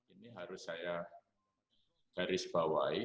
ini harus saya garis bawahi